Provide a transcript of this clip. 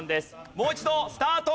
もう一度スタート！